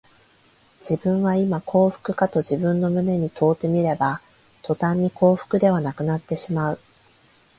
自分はいま幸福かと自分の胸に問うてみれば、とたんに幸福ではなくなってしまう